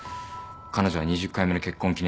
彼女は２０回目の結婚